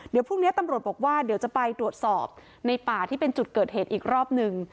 เดี๋ยวพรุ่งนี้ตำรวจบอกว่าเดี๋ยวจะไปตรวจสอบในป่าที่เป็นจุดเกิดเหตุอีกรอบหนึ่ง